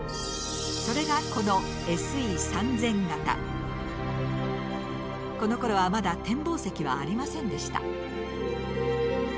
それがこのこのころはまだ展望席はありませんでした。